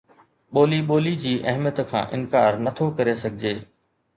ٻولي ٻولي جي اهميت کان انڪار نه ٿو ڪري سگهجي